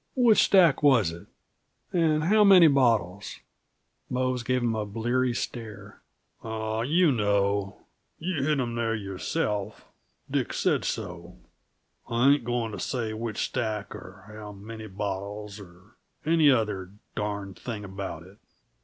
"Which stack was it? And how many bottles?" Mose gave him a bleary stare. "Aw, you know. You hid 'em there yourself! Dick said so. I ain't goin' to say which stack, or how many bottles or any other darn thing about it."